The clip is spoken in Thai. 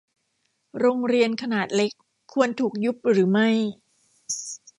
โรงเรียนขนาดเล็ก ควรถูกยุบหรือไม่